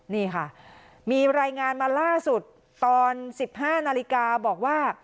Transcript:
นี่ค่ะมีรายงานมาล่าสุดตอน๑๕นาฬิกาบอกว่า